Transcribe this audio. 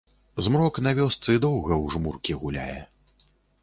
Змрок на вёсцы доўга ў жмуркі гуляе.